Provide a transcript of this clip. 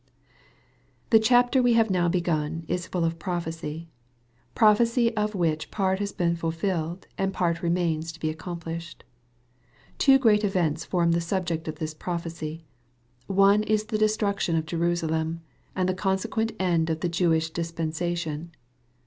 THE chapter we have now begun is full of prophecy prophecy of which part has beeu fulfilled, and part re mains to be accomplished. Two great events form the subject of this prophecy. One is the destruction of Jerusalem, and the consequent end of the Jewish dis pensation.